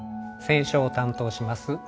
選書を担当します